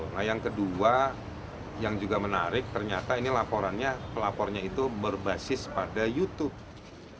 nah yang kedua yang juga menarik ternyata ini laporannya pelapornya itu berbasis pada youtube